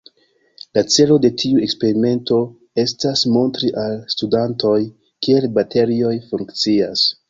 La celo de tiu eksperimento estas montri al studantoj kiel baterioj funkcias.